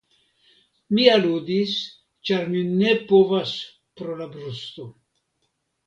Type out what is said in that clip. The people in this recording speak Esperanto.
Mi aludis ĉar mi ne povas pro la brusto.